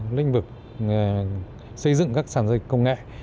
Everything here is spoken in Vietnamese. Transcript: do linh vực xây dựng các sản giao dịch công nghệ